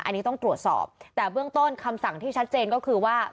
อันนี้ต้องตรวจสอบแต่เบื้องต้นคำสั่งที่ชัดเจนก็คือว่า